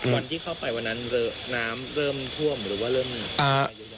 วันที่เข้าไปวันนั้นน้ำเริ่มท่วมหรือว่าเริ่มอ่า